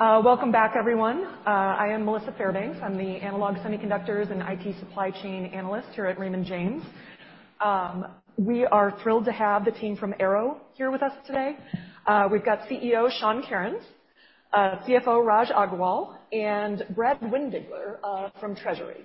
Welcome back, everyone. I am Melissa Fairbanks. I'm the analog semiconductors and IT supply chain analyst here at Raymond James. We are thrilled to have the team from Arrow here with us today. We've got CEO Sean Kerins, CFO Raj Agrawal, and Brad Windbigler from Treasury.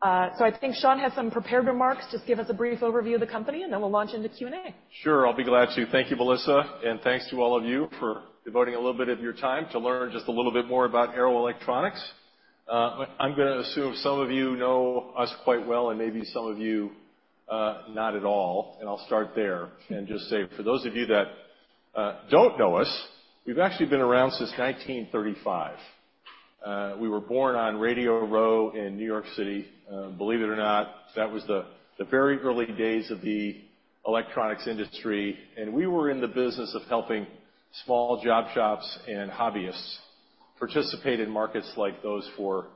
I think Sean has some prepared remarks. Just give us a brief overview of the company, and then we'll launch into Q&A. Sure, I'll be glad to. Thank you, Melissa, and thanks to all of you for devoting a little bit of your time to learn just a little bit more about Arrow Electronics. I'm gonna assume some of you know us quite well and maybe some of you, not at all, and I'll start there and just say, for those of you that, don't know us, we've actually been around since 1935. We were born on Radio Row in New York City. Believe it or not, that was the very early days of the electronics industry, and we were in the business of helping small job shops and hobbyists participate in markets like those for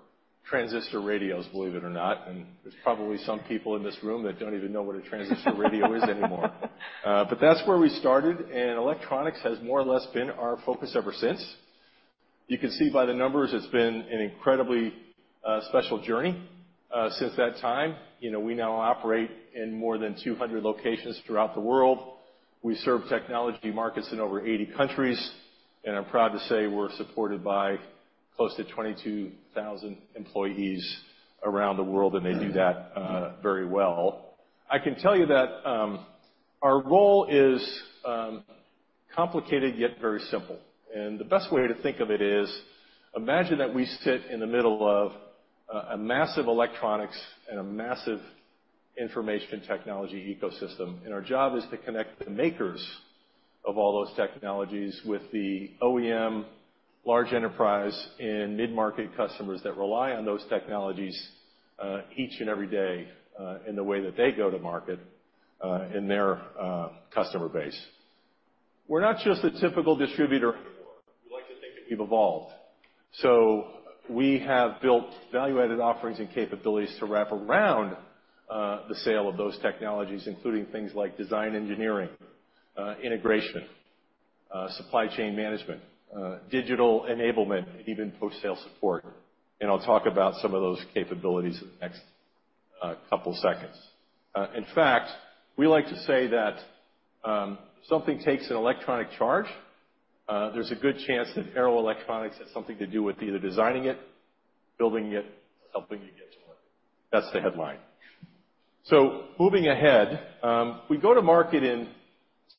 transistor radios, believe it or not. And there's probably some people in this room that don't even know what a transistor radio is anymore. But that's where we started, and electronics has more or less been our focus ever since. You can see by the numbers, it's been an incredibly special journey since that time. You know, we now operate in more than 200 locations throughout the world. We serve technology markets in over 80 countries, and I'm proud to say we're supported by close to 22,000 employees around the world, and they do that very well. I can tell you that, our role is complicated, yet very simple. The best way to think of it is, imagine that we sit in the middle of a massive electronics and a massive information technology ecosystem, and our job is to connect the makers of all those technologies with the OEM, large enterprise, and mid-market customers that rely on those technologies each and every day in the way that they go to market in their customer base. We're not just a typical distributor anymore. We like to think that we've evolved. We have built value-added offerings and capabilities to wrap around the sale of those technologies, including things like design engineering, integration, supply chain management, digital enablement, and even post-sale support. I'll talk about some of those capabilities in the next couple seconds. In fact, we like to say that if something takes an electronic charge, there's a good chance that Arrow Electronics has something to do with either designing it, building it, or helping you get to it. That's the headline. Moving ahead, we go to market in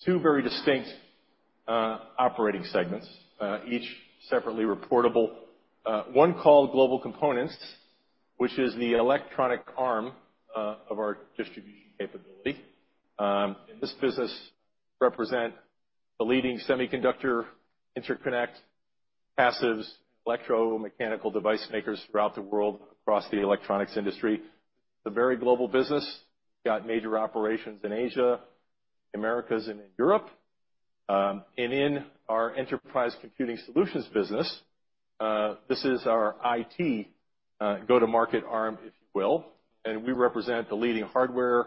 two very distinct operating segments, each separately reportable. One called Global Components, which is the electronic arm of our distribution capability. And this business represent the leading semiconductor, interconnect, passives, electromechanical device makers throughout the world, across the electronics industry. It's a very global business, got major operations in Asia, Americas, and in Europe. In our Enterprise Computing Solutions business, this is our IT go-to-market arm, if you will, and we represent the leading hardware,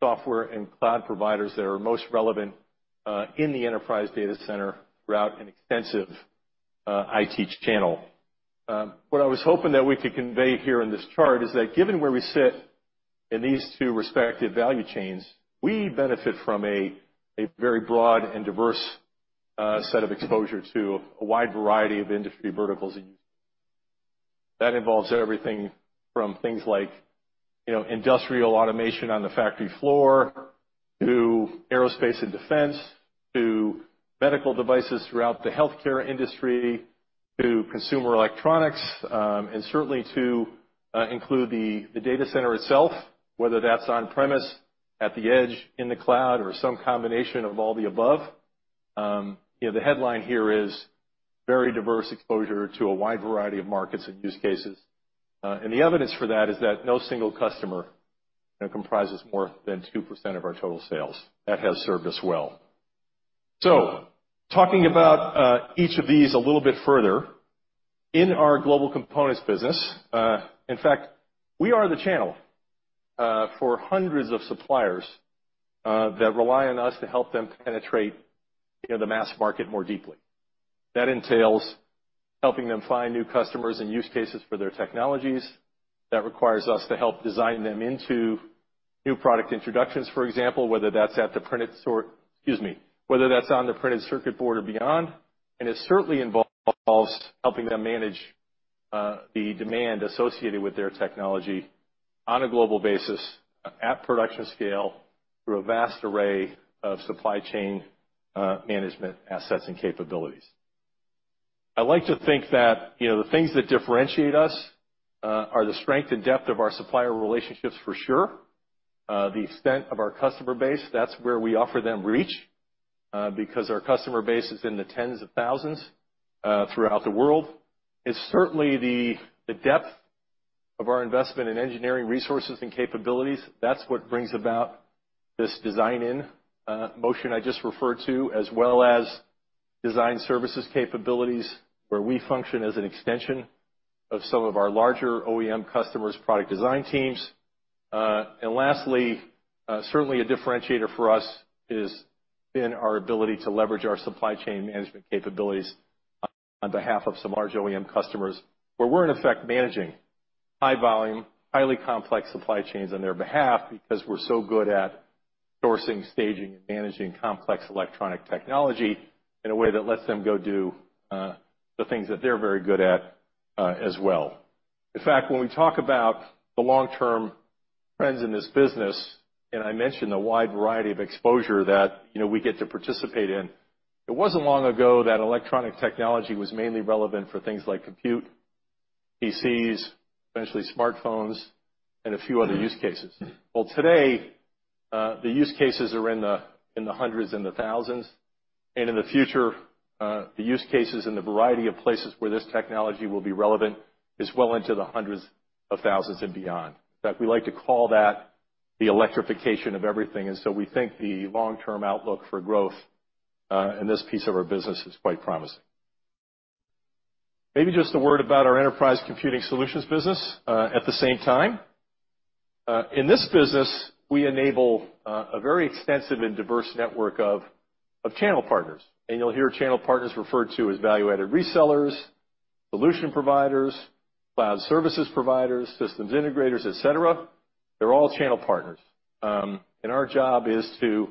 software, and cloud providers that are most relevant in the enterprise data center throughout an extensive IT channel. What I was hoping that we could convey here in this chart is that given where we sit in these two respective value chains, we benefit from a very broad and diverse set of exposure to a wide variety of industry verticals and uses. That involves everything from things like, you know, industrial automation on the factory floor, to aerospace and defense, to medical devices throughout the healthcare industry, to consumer electronics, and certainly to include the data center itself, whether that's on premise, at the edge, in the cloud, or some combination of all the above. You know, the headline here is, Very Diverse Exposure to a Wide Variety of Markets and Use Cases. The evidence for that is that no single customer, you know, comprises more than 2% of our total sales. That has served us well. Talking about, each of these a little bit further, in our Global Components business, in fact, we are the channel, for hundreds of suppliers, that rely on us to help them penetrate, you know, the mass market more deeply. That entails helping them find new customers and use cases for their technologies. That requires us to help design them into new product introductions, for example, whether that's on the printed circuit board or beyond, and it certainly involves helping them manage the demand associated with their technology on a global basis, at production scale, through a vast array of supply chain management assets and capabilities. I like to think that, you know, the things that differentiate us are the strength and depth of our supplier relationships, for sure, the extent of our customer base, that's where we offer them reach, because our customer base is in the tens of thousands throughout the world. It's certainly the depth of our investment in engineering resources and capabilities. That's what brings about this design-in motion I just referred to, as well as design services capabilities, where we function as an extension of some of our larger OEM customers' product design teams. Lastly, certainly a differentiator for us has been our ability to leverage our supply chain management capabilities on behalf of some large OEM customers, where we're in effect, managing high volume, highly complex supply chains on their behalf because we're so good at sourcing, staging, and managing complex electronic technology in a way that lets them go do the things that they're very good at, as well. In fact, when we talk about the long-term trends in this business, and I mentioned the wide variety of exposure that, you know, we get to participate in, it wasn't long ago that electronic technology was mainly relevant for things like compute, PCs, eventually smartphones, and a few other use cases. Well, today, the use cases are in the, in the hundreds and the thousands, and in the future, the use cases and the variety of places where this technology will be relevant is well into the hundreds of thousands and beyond. In fact, we like to call that the electrification of everything, and so we think the long-term outlook for growth, in this piece of our business is quite promising. Maybe just a word about our Enterprise Computing Solutions business, at the same time. In this business, we enable a very extensive and diverse network of channel partners, and you'll hear channel partners referred to as value-added resellers, solution providers, cloud services providers, systems integrators, et cetera. They're all channel partners. Our job is to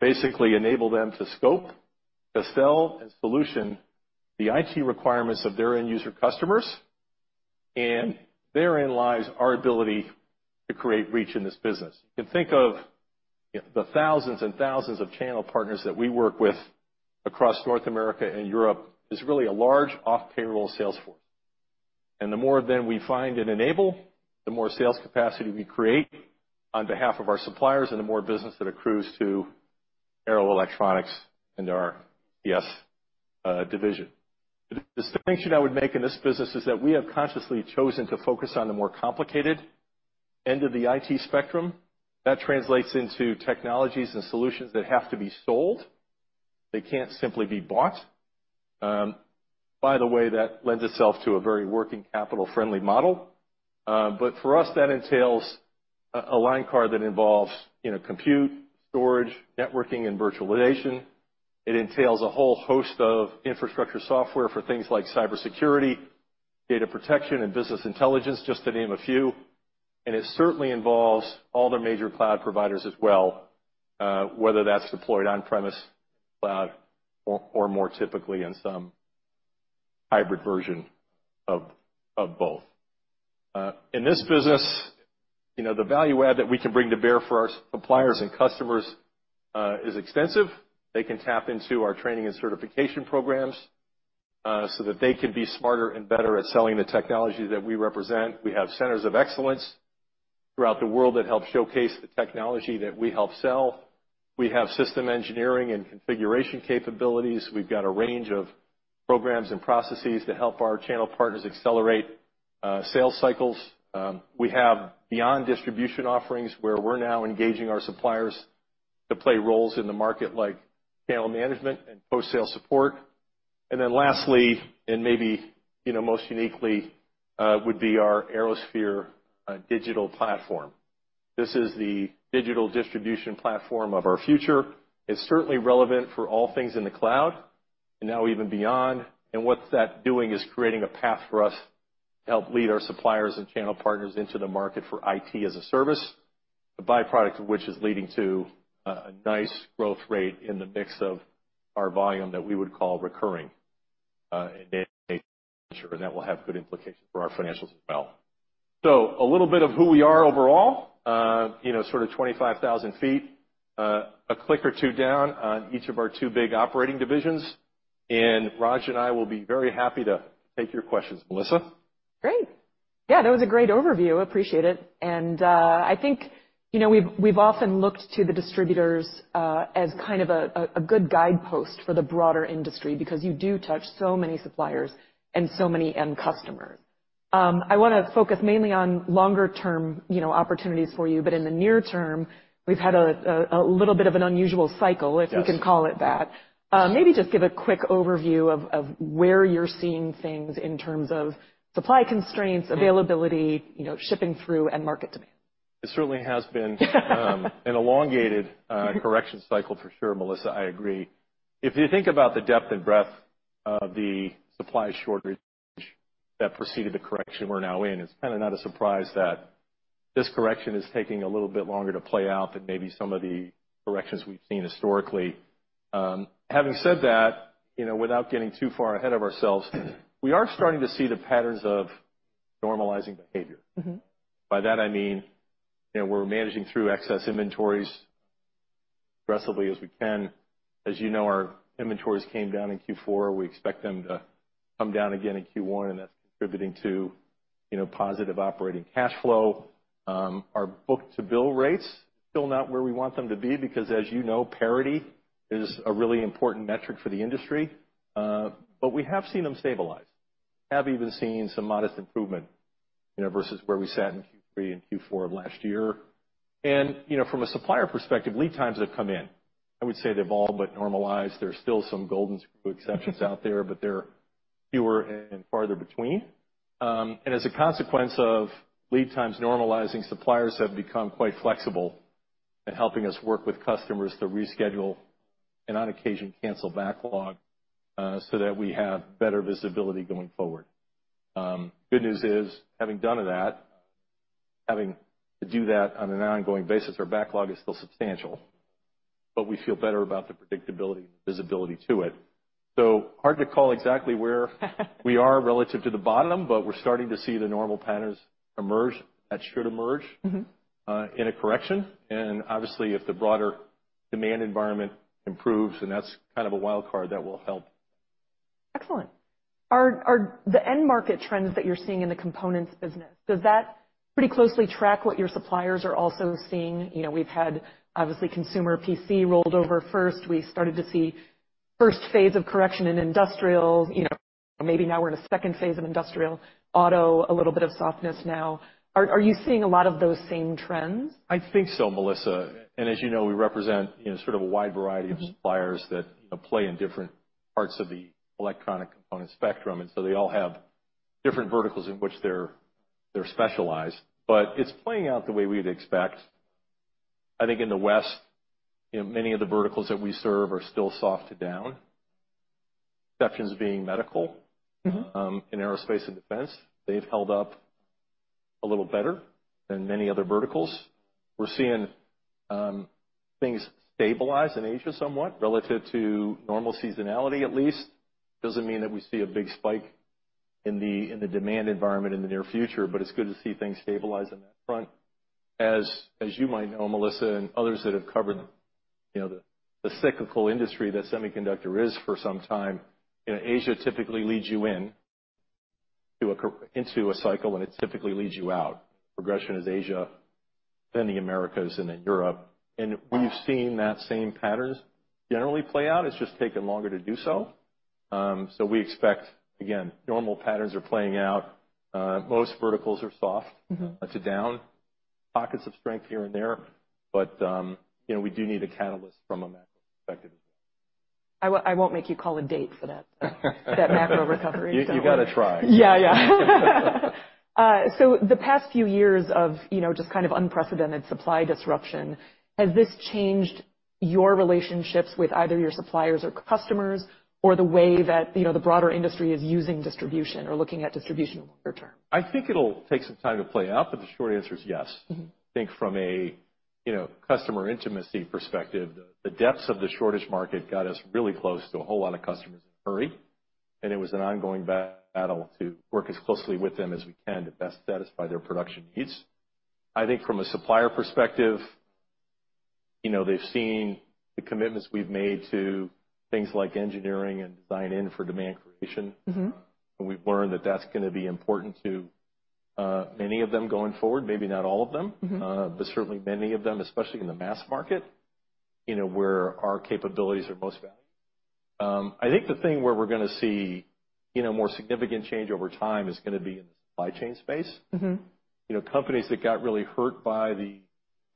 basically enable them to scope, to sell, and solution the IT requirements of their end user customers, and therein lies our ability to create reach in this business. You can think of the thousands and thousands of channel partners that we work with across North America and Europe, as really a large off-payroll sales force. The more of them we find and enable, the more sales capacity we create on behalf of our suppliers, and the more business that accrues to Arrow Electronics and our ECS division. The distinction I would make in this business is that we have consciously chosen to focus on the more complicated end of the IT spectrum. That translates into technologies and solutions that have to be sold, they can't simply be bought. By the way, that lends itself to a very working capital-friendly model. But for us, that entails a line card that involves, you know, compute, storage, networking, and virtualization. It entails a whole host of infrastructure software for things like cybersecurity, data protection, and business intelligence, just to name a few. It certainly involves all the major cloud providers as well, whether that's deployed on-premise, cloud, or more typically in some hybrid version of both. In this business, you know, the value add that we can bring to bear for our suppliers and customers is extensive. They can tap into our training and certification programs, so that they can be smarter and better at selling the technology that we represent. We have centers of excellence throughout the world that help showcase the technology that we help sell. We have systems engineering and configuration capabilities. We've got a range of programs and processes to help our channel partners accelerate sales cycles. We have beyond distribution offerings, where we're now engaging our suppliers to play roles in the market, like channel management and post-sale support. Then lastly, and maybe, you know, most uniquely, would be our ArrowSphere digital platform. This is the digital distribution platform of our future. It's certainly relevant for all things in the cloud, and now even beyond. What that's doing is creating a path for us to help lead our suppliers and channel partners into the market for IT as a service, the byproduct of which is leading to a nice growth rate in the mix of our volume that we would call recurring in nature, and that will have good implications for our financials as well. A little bit of who we are overall, you know, sort of 25,000 feet, a click or two down on each of our two big operating divisions, and Raj and I will be very happy to take your questions. Melissa? Great. Yeah, that was a great overview. Appreciate it. I think, you know, we've often looked to the distributors as kind of a good guidepost for the broader industry because you do touch so many suppliers and so many end customers. I want to focus mainly on longer-term, you know, opportunities for you, but in the near term, we've had a little bit of an unusual cycle,- Yes. -if we can call it that. Maybe just give a quick overview of where you're seeing things in terms of supply constraints, availability, you know, shipping through, and market demand. It certainly has been an elongated, correction cycle, for sure, Melissa, I agree. If you think about the depth and breadth of the supply shortage that preceded the correction we're now in, it's kind of not a surprise that this correction is taking a little bit longer to play out than maybe some of the corrections we've seen historically. Having said that, you know, without getting too far ahead of ourselves, we are starting to see the patterns of normalizing behavior. By that I mean, you know, we're managing through excess inventories aggressively as we can. As you know, our inventories came down in Q4. We expect them to come down again in Q1, and that's contributing to, you know, positive operating cash flow. Our book-to-bill rates, still not where we want them to be because, as you know, parity is a really important metric for the industry. But we have seen them stabilize, have even seen some modest improvement, you know, versus where we sat in Q3 and Q4 of last year. You know, from a supplier perspective, lead times have come in. I would say they've all but normalized. There's still some golden screw exceptions out there, but they're fewer and farther between. As a consequence of lead times normalizing, suppliers have become quite flexible in helping us work with customers to reschedule, and on occasion, cancel backlog, so that we have better visibility going forward. Good news is, having done that, having to do that on an ongoing basis, our backlog is still substantial, but we feel better about the predictability and visibility to it. Hard to call exactly where we are relative to the bottom, but we're starting to see the normal patterns emerge, that should emerge. In a correction, and obviously, if the broader demand environment improves, and that's kind of a wild card, that will help. Excellent. Are the end market trends that you're seeing in the components business, does that pretty closely track what your suppliers are also seeing? You know, we've had, obviously, consumer PC rolled over first. We started to see first phase of correction in industrial, you know, maybe now we're in a second phase of industrial. Auto, a little bit of softness now. Are you seeing a lot of those same trends? I think so, Melissa. As you know, we represent, you know, sort of a wide variety of suppliers that, you know, play in different parts of the electronic component spectrum, and so they all have different verticals in which they're specialized. But it's playing out the way we'd expect. I think in the West, you know, many of the verticals that we serve are still soft to down, exceptions being medical, and aerospace, and defense. They've held up a little better than many other verticals. We're seeing things stabilize in Asia somewhat relative to normal seasonality, at least. Doesn't mean that we see a big spike in the demand environment in the near future, but it's good to see things stabilize on that front. As you might know, Melissa, and others that have covered, you know, the cyclical industry that semiconductor is for some time, you know, Asia typically leads you into a cycle, and it typically leads you out. Progression is Asia, then the Americas, and then Europe. We've seen that same patterns generally play out. It's just taken longer to do so. We expect, again, normal patterns are playing out. Most verticals are soft to down. Pockets of strength here and there, but, you know, we do need a catalyst from a macro perspective as well. I won't make you call a date for that. That macro recovery. You gotta try. Yeah, yeah. The past few years of, you know, just kind of unprecedented supply disruption, has this changed your relationships with either your suppliers or customers, or the way that, you know, the broader industry is using distribution or looking at distribution longer term? I think it'll take some time to play out, but the short answer is yes. I think from a, you know, customer intimacy perspective, the depths of the shortage market got us really close to a whole lot of customers in a hurry, and it was an ongoing battle to work as closely with them as we can to best satisfy their production needs. I think from a supplier perspective, you know, they've seen the commitments we've made to things like engineering and design-in for demand creation. We've learned that that's going to be important to many of them going forward, maybe not all of them, but certainly many of them, especially in the mass market, you know, where our capabilities are most valued. I think the thing where we're going to see, you know, more significant change over time is going to be in the supply chain space. You know, companies that got really hurt by the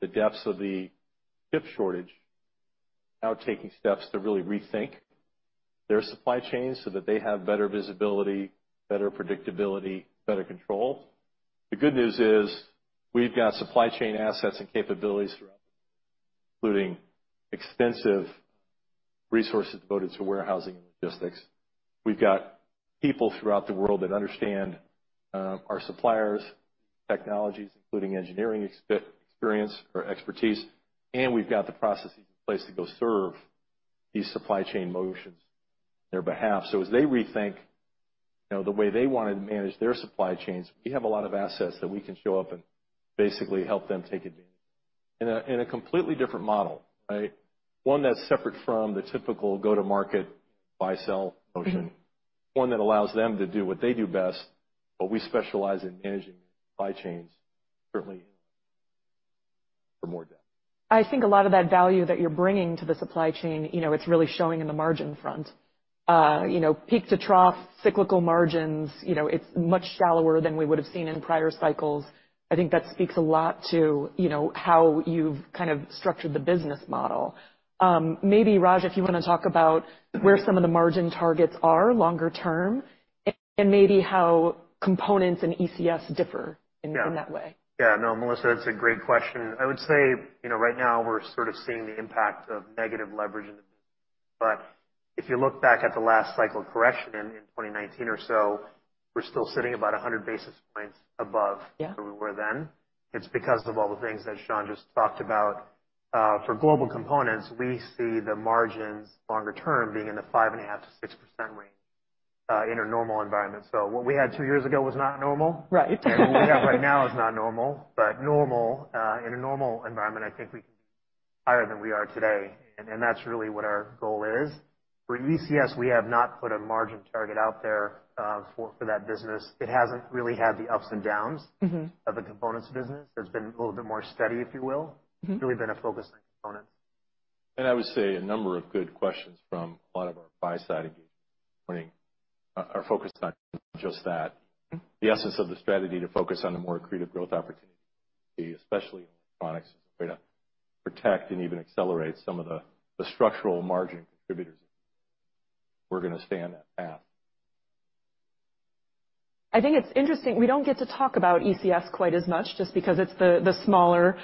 depths of the chip shortage now taking steps to really rethink their supply chain so that they have better visibility, better predictability, better control. The good news is, we've got supply chain assets and capabilities throughout, including extensive resources devoted to warehousing and logistics. We've got people throughout the world that understand our suppliers, technologies, including engineering expertise, and we've got the processes in place to go serve these supply chain motions on their behalf. As they rethink, you know, the way they want to manage their supply chains, we have a lot of assets that we can show up and basically help them take advantage in a completely different model, right? One that's separate from the typical go to market, buy, sell motion. One that allows them to do what they do best, but we specialize in managing supply chains, certainly for more depth. I think a lot of that value that you're bringing to the supply chain, you know, it's really showing in the margin front. You know, peak to trough cyclical margins, you know, it's much shallower than we would have seen in prior cycles. I think that speaks a lot to, you know, how you've kind of structured the business model. Maybe, Raj, if you want to talk about where some of the margin targets are longer term, and maybe how components and ECS differ in that way. Yeah. No, Melissa, that's a great question. I would say, you know, right now, we're sort of seeing the impact of negative leverage in the business, but if you look back at the last cycle of correction in 2019 or so, we're still sitting about 100 basis points above- Yeah. -where we were then. It's because of all the things that Sean just talked about. For Global Components, we see the margins longer term being in the 5.5%-6% range, in a normal environment. What we had two years ago was not normal. Right. What we have right now is not normal, but normal, in a normal environment, I think we can be higher than we are today, and that's really what our goal is. For ECS, we have not put a margin target out there, for that business. It hasn't really had the ups and downs of the components business. It's been a little bit more steady, if you will. Really been a focus on components. I would say a number of good questions from a lot of our buy-side engagements are focused on just that. The essence of the strategy to focus on the more accretive growth opportunities, especially in electronics, is a way to protect and even accelerate some of the structural margin contributors. We're going to stay on that path. I think it's interesting, we don't get to talk about ECS quite as much just because it's the smaller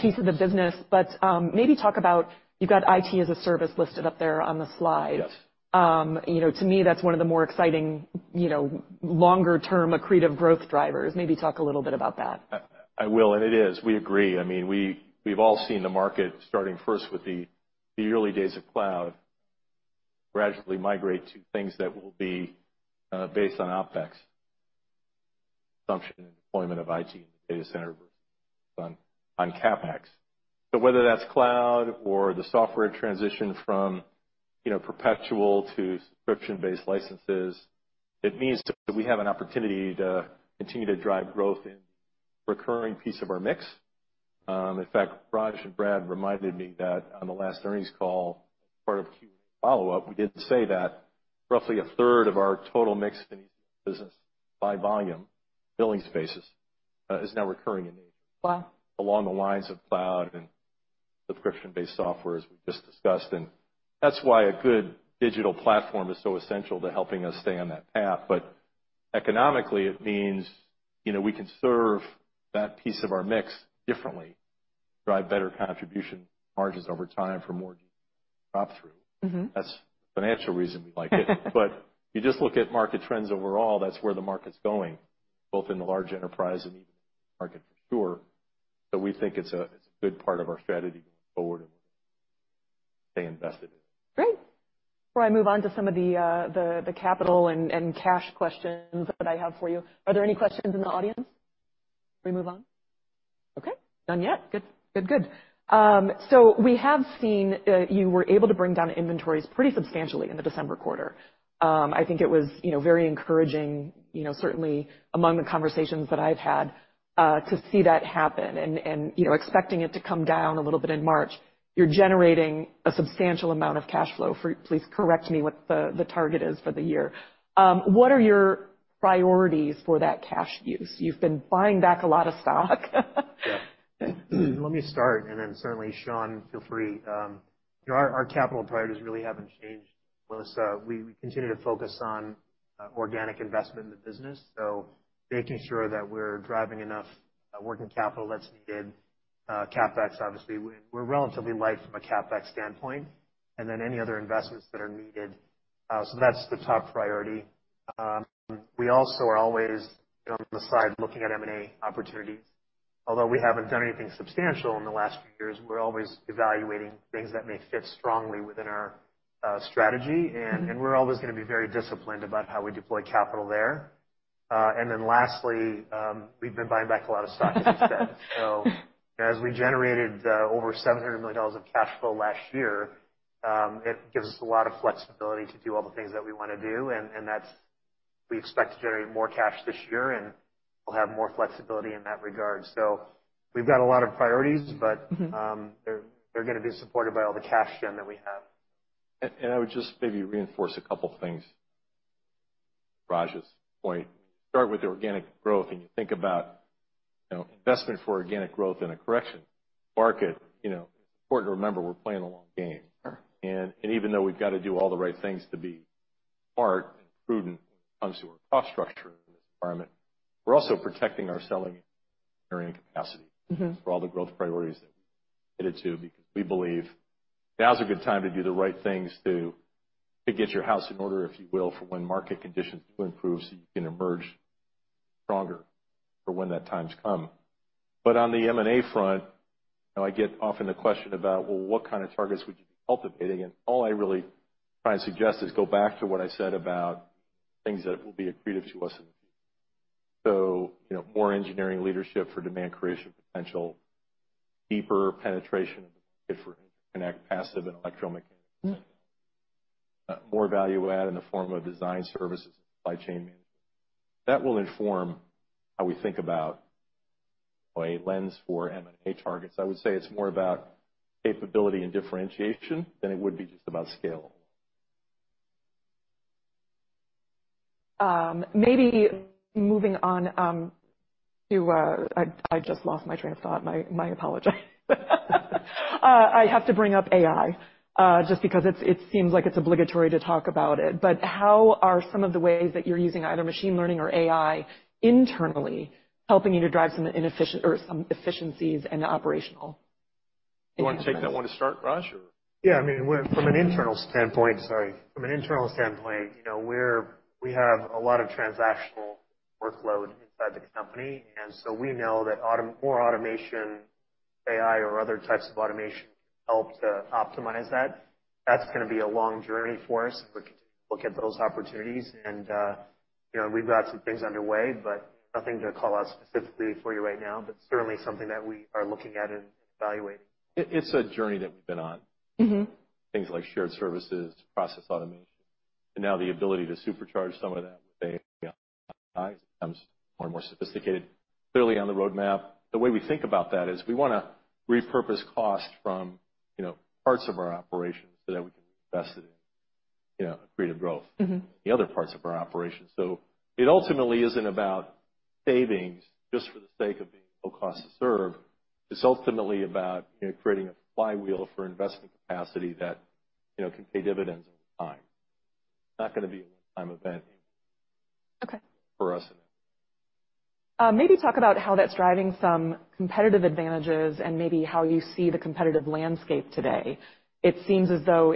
piece of the business. But, maybe talk about, you've got IT as a service listed up there on the slide. Yes. You know, to me, that's one of the more exciting, you know, longer-term accretive growth drivers. Maybe talk a little bit about that. I will, and it is. We agree. I mean, we've all seen the market starting first with the early days of cloud gradually migrate to things that will be based on OpEx assumption and deployment of IT in the data center versus on CapEx. Whether that's cloud or the software transition from, you know, perpetual to subscription-based licenses, it means that we have an opportunity to continue to drive growth in the recurring piece of our mix. In fact, Raj and Brad reminded me that on the last earnings call, as part of a Q&A follow-up, we did say that roughly a third of our total mix in ECS business by volume, billing spaces, is now recurring in nature. Wow! Along the lines of cloud and subscription-based software, as we just discussed, and that's why a good digital platform is so essential to helping us stay on that path. But economically, it means, you know, we can serve that piece of our mix differently, drive better contribution margins over time for more drop-through. That's the financial reason we like it. But you just look at market trends overall, that's where the market's going, both in the large enterprise and even market for sure. We think it's a good part of our strategy going forward, and stay invested. Great. Before I move on to some of the capital and cash questions that I have for you, are there any questions in the audience before we move on? Okay. None yet. Good, good, good. We have seen you were able to bring down inventories pretty substantially in the December quarter. I think it was, you know, very encouraging, you know, certainly among the conversations that I've had to see that happen and, you know, expecting it to come down a little bit in March. You're generating a substantial amount of cash flow. Please correct me what the target is for the year. What are your priorities for that cash use? You've been buying back a lot of stock. Yeah. Let me start, and then certainly, Sean, feel free. Our capital priorities really haven't changed, Melissa. We continue to focus on organic investment in the business, so making sure that we're driving enough working capital that's needed, CapEx, obviously, we're relatively light from a CapEx standpoint, and then any other investments that are needed. That's the top priority. We also are always on the side looking at M&A opportunities. Although we haven't done anything substantial in the last few years, we're always evaluating things that may fit strongly within our strategy. We're always going to be very disciplined about how we deploy capital there. And then lastly, we've been buying back a lot of stock as you said. As we generated over $700 million of cash flow last year, it gives us a lot of flexibility to do all the things that we want to do, and that's... We expect to generate more cash this year, and we'll have more flexibility in that regard. We've got a lot of priorities, but they're going to be supported by all the cash gen that we have. I would just maybe reinforce a couple of things, Raj's point. Start with the organic growth, and you think about, you know, investment for organic growth in a correction market, you know, it's important to remember we're playing a long game. Sure. Even though we've got to do all the right things to be smart and prudent when it comes to our cost structure in this environment, we're also protecting our selling and engineering capacity ffor all the growth priorities that we committed to, because we believe now is a good time to do the right things to get your house in order, if you will, for when market conditions do improve so you can emerge stronger for when that time comes. But on the M&A front, I get often the question about, well, what kind of targets would you be cultivating? All I really try and suggest is go back to what I said about things that will be accretive to us in the future. You know, more engineering leadership for demand creation, potential, deeper penetration of the market for interconnect, passive and electromechanical. More value-add in the form of design services, supply chain management. That will inform how we think about a lens for M&A targets. I would say it's more about capability and differentiation than it would be just about scale. Maybe moving on to, I just lost my train of thought. My apologies. I have to bring up AI just because it seems like it's obligatory to talk about it. But how are some of the ways that you're using either machine learning or AI internally, helping you to drive some inefficient or some efficiencies and operational? You want to take that one to start, Raj, or... Yeah, I mean, from an internal standpoint, you know, we have a lot of transactional workload inside the company, and so we know that automation, AI, or other types of automation help to optimize that. That's going to be a long journey for us, and we're continuing to look at those opportunities, and you know, we've got some things underway, but nothing to call out specifically for you right now, but certainly something that we are looking at and evaluating. It's a journey that we've been on. Things like shared services, process automation, and now the ability to supercharge some of that with AI becomes more and more sophisticated. Clearly, on the roadmap, the way we think about that is we want to repurpose costs from, you know, parts of our operations so that we can invest it in, you know, creative growth the other parts of our operation. Tt ultimately isn't about savings just for the sake of being low cost to serve. It's ultimately about, you know, creating a flywheel for investment capacity that, you know, can pay dividends over time. Not gonna be a one-time event. Okay. For us. Maybe talk about how that's driving some competitive advantages and maybe how you see the competitive landscape today. It seems as though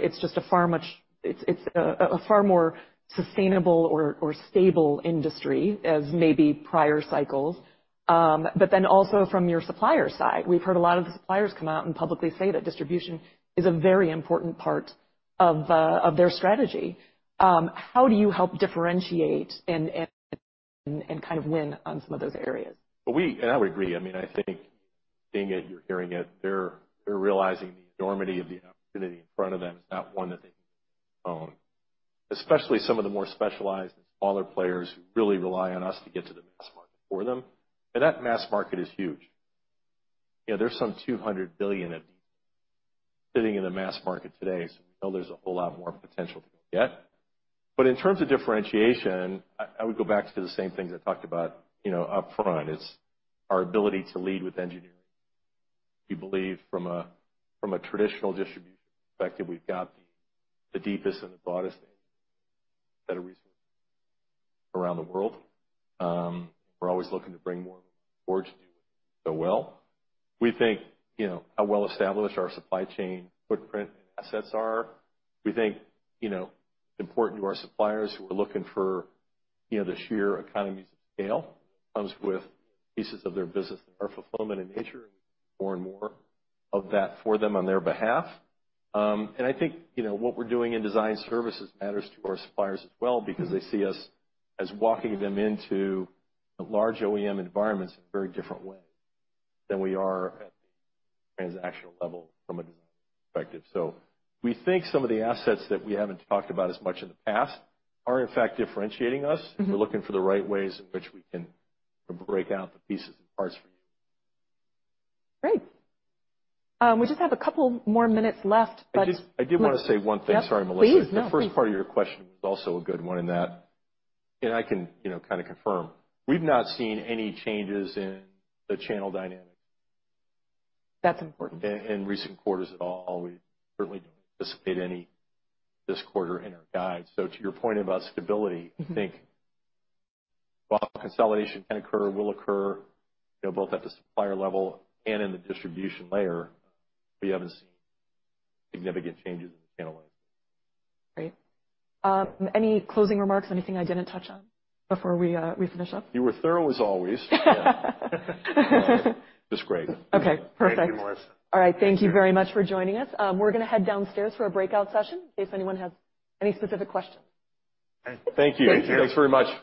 it's a far more sustainable or stable industry as maybe prior cycles. But then also from your supplier side, we've heard a lot of the suppliers come out and publicly say that distribution is a very important part of their strategy. How do you help differentiate and kind of win on some of those areas? I would agree. I mean, I think seeing it, you're hearing it, they're, they're realizing the enormity of the opportunity in front of them is not one that they own, especially some of the more specialized and smaller players who really rely on us to get to the mass market for them, and that mass market is huge. You know, there's some $200 billion at least sitting in the mass market today, so we know there's a whole lot more potential to get. But in terms of differentiation, I would go back to the same things I talked about, you know, upfront. It's our ability to lead with engineering. We believe from a, from a traditional distribution perspective, we've got the deepest and the broadest engineering that's resident around the world. We're always looking to bring more onboard to do so well. We think, you know, how well established our supply chain footprint and assets are. We think, you know, important to our suppliers who are looking for, you know, the sheer economies of scale, comes with pieces of their business that are fulfillment in nature, and more and more of that for them on their behalf. I think, you know, what we're doing in design services matters to our suppliers as well, because they see us as walking them into large OEM environments in a very different way than we are at the transactional level from a design perspective. We think some of the assets that we haven't talked about as much in the past are in fact differentiating us. We're looking for the right ways in which we can break out the pieces and parts for you. Great. We just have a couple more minutes left, but.. I just.. I do wanna say one thing. Yep. Sorry, Melissa. Please,. No, please. The first part of your question was also a good one in that... and I can, you know, kind of confirm. We've not seen any changes in the channel dynamics- That's important. -in recent quarters at all. We certainly don't anticipate any this quarter in our guide. To your point about stability, I think while consolidation can occur, will occur, you know, both at the supplier level and in the distribution layer, we haven't seen significant changes in the channel. Great. Any closing remarks? Anything I didn't touch on before we finish up? You were thorough as always. Just great. Okay, perfect. Thank you, Melissa. All right. Thank you very much for joining us. We're gonna head downstairs for a breakout session, in case anyone has any specific questions. Great. Thank you. Thank you. Thanks very much.